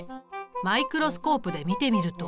マイクロスコープで見てみると。